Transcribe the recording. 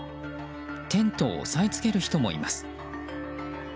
テントを押さえつける人もいます。